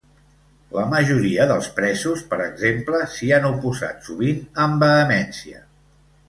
La majoria dels presos, per exemple, s’hi han oposat, sovint amb vehemència.